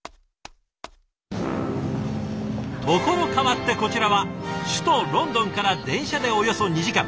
ところ変わってこちらは首都ロンドンから電車でおよそ２時間。